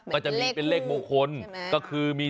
ก็จะมีเป็นเลขมงคลก็คือมี